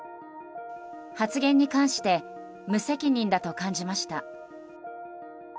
発言に関して無責任だと感じました。